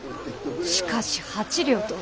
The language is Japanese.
しかし８両とは。